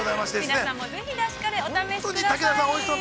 ◆皆さんもぜひ、出汁カレー、お試しください。